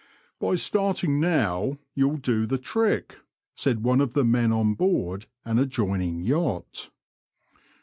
'* By starting now you'll do the trick," said one of the men on board an adjoining yacht.